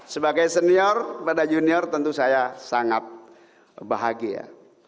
sebagai senior kepada junior tentu saya sangat bahagia